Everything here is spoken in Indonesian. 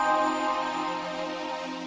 kalau perlu mama ikut deh